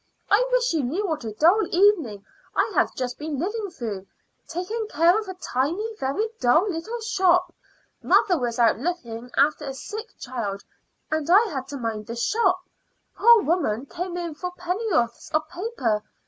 I wish you knew what a dull evening I have just been living through taking care of a tiny, very dull little shop. Mother was out looking after a sick child, and I had to mind the shop. Poor women came in for penn'orths of paper.